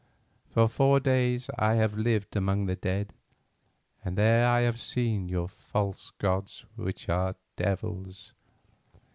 For four days I have lived among the dead, and there I have seen your false gods which are devils.